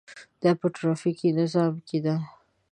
دا په ټرافیکي نظام کې ده.